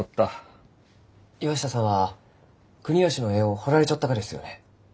岩下さんは国芳の絵を彫られちょったがですよね？